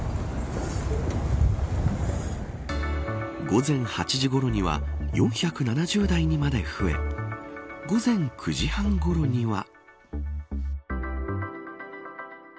午前８時ごろには４７０台にまで増え午前９時半ごろには。